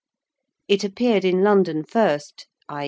It appeared in London first i.